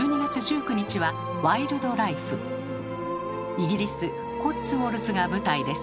イギリスコッツウォルズが舞台です。